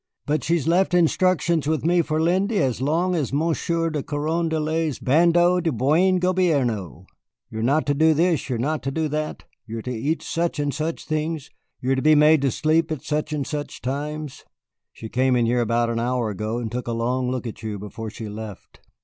"But she's left instructions with me for Lindy as long as Monsieur de Carondelet's Bando de Buen Gobierno. You are not to do this, and you are not to do that, you are to eat such and such things, you are to be made to sleep at such and such times. She came in here about an hour ago and took a long look at you before she left."